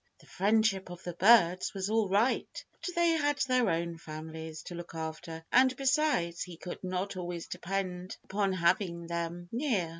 The friendship of the birds was all right, but they had their own families to look after, and besides, he could not always depend upon having them near.